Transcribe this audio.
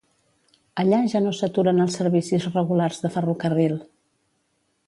Allà ja no s'aturen els servicis regulars de ferrocarril.